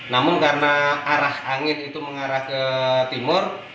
namun karena arah angin itu mengarah ke timur